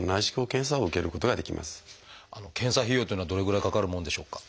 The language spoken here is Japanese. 検査費用っていうのはどれぐらいかかるもんでしょうか？